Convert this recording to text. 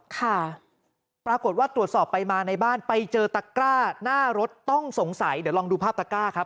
ค่ะปรากฏว่าตรวจสอบไปมาในบ้านไปเจอตะกร้าหน้ารถต้องสงสัยเดี๋ยวลองดูภาพตะกร้าครับ